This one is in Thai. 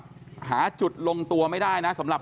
จะไม่เคลียร์กันได้ง่ายนะครับ